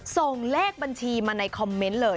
ส่งเลขบัญชีมาในคอมเมนต์เลย